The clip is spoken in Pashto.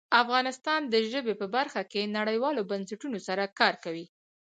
افغانستان د ژبې په برخه کې نړیوالو بنسټونو سره کار کوي.